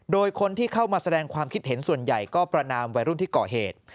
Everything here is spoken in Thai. โดยคนที่เข้ามาแสดงความคิดเห็นส่วนใหญ่ก็ประนามวัยรุ่นที่ก่อเหตุ